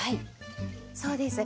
そうです。